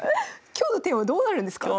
今日のテーマどうなるんですか？